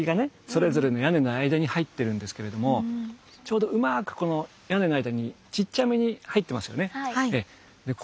それぞれの屋根の間に入ってるんですけれどもちょうどうまくこの屋根の間にちっちゃめに入ってますよね。